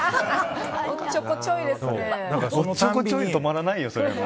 おっちょこちょい止まらないよ。